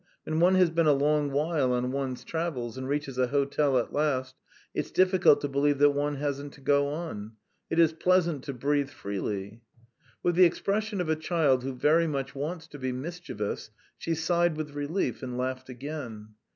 "When one has been a long while on one's travels and reaches a hotel at last, it's difficult to believe that one hasn't to go on. It is pleasant to breathe freely." With the expression of a child who very much wants to be mischievous, she sighed with relief and laughed again.